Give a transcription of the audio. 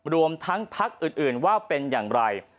รวมทั้งพักอื่นว่าเป็นอย่างไร